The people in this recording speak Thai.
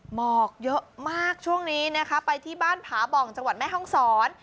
หมอกเยอะมากช่วงนี้นะคะไปที่บ้านผาบ่องจังหวัดแม่ห้องศร